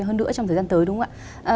hơn nữa trong thời gian tới đúng không ạ